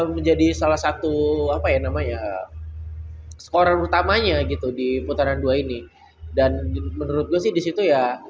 menjadi salah satu apa ya namanya skor utamanya gitu di putaran dua ini dan menurut gue sih disitu ya